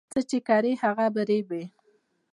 چې څه کرې هغه به ريبې